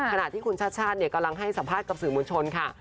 ขณะที่คุณชาติชาติกำลังให้สัมภาษณ์กับสื่อมวลชนค่ะ